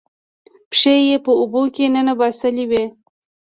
پښې یې په اوبو کې ننباسلې وې